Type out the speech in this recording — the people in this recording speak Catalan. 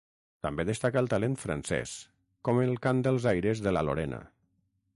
També destaca el talent francès, com el cant dels aires de la Lorena.